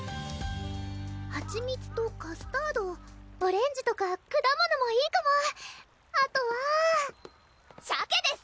蜂蜜とカスタード・オレンジとか果物もいいかもあとはシャケです！